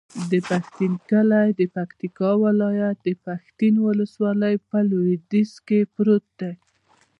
د پښتین کلی د پکتیکا ولایت، پښتین ولسوالي په لویدیځ کې پروت دی.